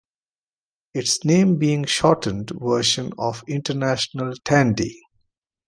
Its name being a shortened version of International Tandy.